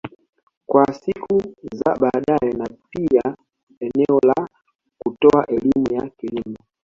Kwa siku za badae na pia eneo la kutoa elimu ya kilimo